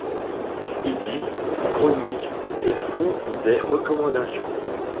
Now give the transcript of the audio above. Ils lisent, chroniquent et font des recommandations.